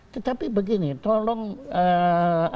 tetapi begini tolong kegagalan ahok